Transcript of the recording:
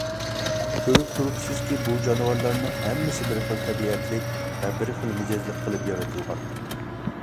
كۆرۈپ تۇرۇپسىزكى، بۇ جانىۋارلارنىڭ ھەممىسى بىر خىل تەبىئەتلىك ۋە بىر خىل مىجەزلىك قىلىپ يارىتىلغان.